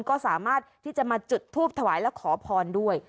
ก็สามารถที่จะมาจุดทูปถวายและขอพรด้วย